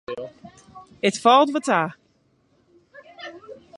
It falt wat ta.